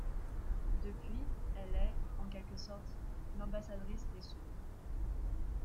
Depuis, elle est, en quelque sorte, l’ambassadrice des sourds.